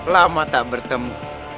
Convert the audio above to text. lama tak bertemu